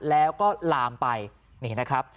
แล้วก็ลามไปนี่นะครับ